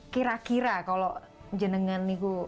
kira kira kalau jenengan ibu